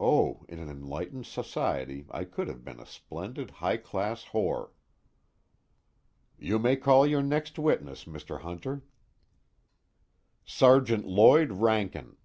Oh, in an enlightened society I could have been a splendid high class whore!_ "You may call your next witness, Mr. Hunter." "Sergeant Lloyd Rankin!"